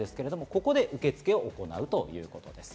ここで受け付けを行うということです。